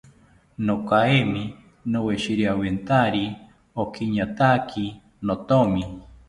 Nokaemaki noweshiriawentari okiñataki nothomi